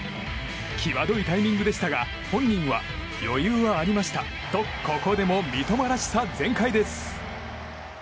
際どいタイミングでしたが本人は余裕がありましたとここでも三笘らしさ全開です。